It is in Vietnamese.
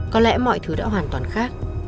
có lẽ mọi thứ đã hoàn toàn khác